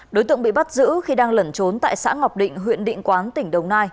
đối tượng bị bắt giữ khi đang lẩn trốn tại xã ngọc định huyện định quán tỉnh đồng nai